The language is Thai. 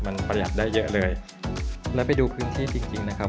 มันประหยัดได้เยอะเลยแล้วไปดูพื้นที่จริงจริงนะครับ